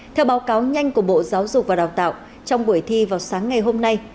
theo báo cáo nhanh của bộ giáo dục và đào tạo trong buổi thi vào sáng ngày hôm nay